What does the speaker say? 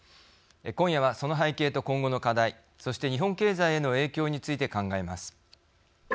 今夜はその背景と今後の課題そして日本経済への影響について考えます。